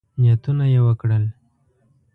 نیتونه یې وکړل.